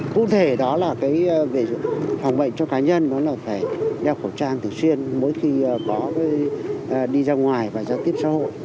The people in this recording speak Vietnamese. cụ thể đó là phòng bệnh cho cá nhân đó là phải đeo khẩu trang thường xuyên mỗi khi đi ra ngoài và giao tiếp xã hội